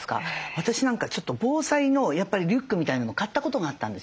私なんかちょっと防災のリュックみたいのも買ったことがあったんですよ。